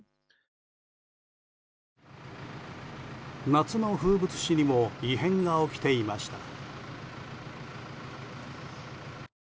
夏の風物詩にも異変が起きていました。